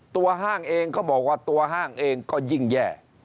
ห้างเองเขาบอกว่าตัวห้างเองก็ยิ่งแย่